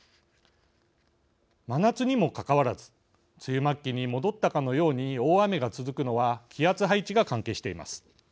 真夏にもかかわらず梅雨末期に戻ったかのように大雨が続くのは気圧配置が関係しています。